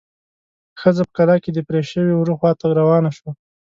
ښځه په کلا کې د پرې شوي وره خواته روانه شوه.